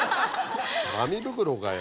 紙袋かよ。